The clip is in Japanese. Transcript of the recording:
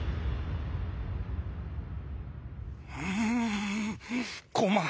うんこまこ